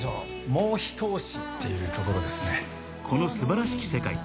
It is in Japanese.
もう、ひと押しっていうところですね。